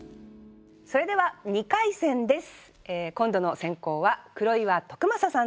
それでは２回戦です。